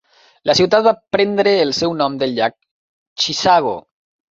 La ciutat va prendre el seu nom del llac Chisago.